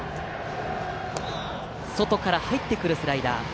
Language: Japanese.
外から入ってくるスライダー。